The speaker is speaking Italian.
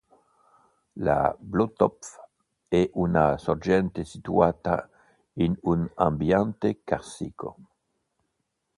La Blautopf è una sorgente situata in un ambiente carsico.